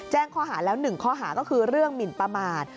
แจ้งข้อหาแล้ว๑ข้อหาก็คือเรื่องหมินประมาท